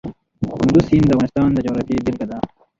کندز سیند د افغانستان د جغرافیې بېلګه ده.